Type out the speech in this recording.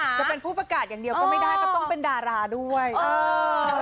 จะเป็นผู้ประกาศอย่างเดียวก็ไม่ได้ก็ต้องเป็นดาราด้วยเออ